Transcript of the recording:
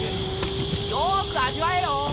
よく味わえよ！